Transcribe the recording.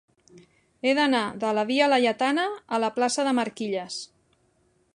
He d'anar de la via Laietana a la plaça de Marquilles.